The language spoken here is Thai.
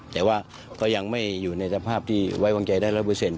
แต่ว่าก็ยังไม่อยู่ในสภาพที่ไว้วางใจได้๑๐๐